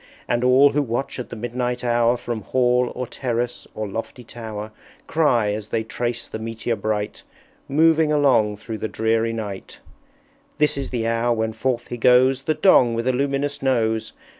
And all who watch at the midnight hour, From Hall or Terrace or lofty Tower, Cry, as they trace the Meteor bright, Moving along through the dreary night, "This is the hour when forth he goes, The Dong with a luminous Nose!